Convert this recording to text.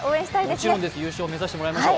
もちろんです優勝目指してもらいましょう。